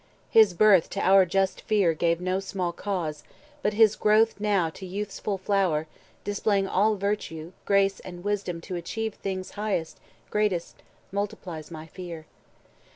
His birth to our just fear gave no small cause; But his growth now to youth's full flower, displaying All virtue, grace and wisdom to achieve Things highest, greatest, multiplies my fear.